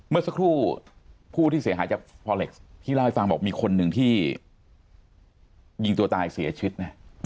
เมื่อสักครู่ผู้ที่เสียหายจากพอเล็กซ์พี่เล่าให้ฟังบอกมีคนหนึ่งที่ยิงตัวตายเสียชีวิตนะ